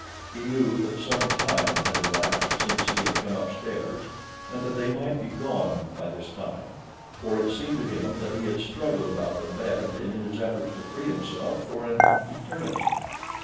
He knew that some time had elapsed since he had come up stairs and that they might be gone by this time, for it seemed to him that he had struggled about the bed, in his efforts to free himself, for an eternity.